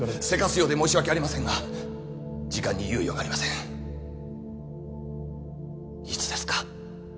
せかすようで申し訳ありませんが時間に猶予がありませんいつですか？